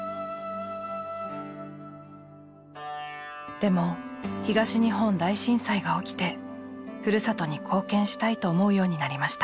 でも東日本大震災が起きてふるさとに貢献したいと思うようになりました。